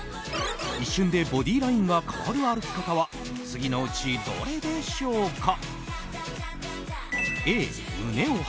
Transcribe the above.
一瞬でボディーラインが変わる歩き方は次のうちどれでしょうか？